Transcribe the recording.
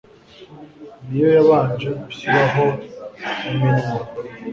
Ni yo yabanje gushyiraho iminwe